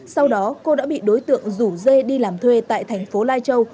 sau đó cô đã bị đối tượng rủ dê đi làm thuê tại thành phố lai châu